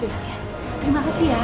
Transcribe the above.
terima kasih ya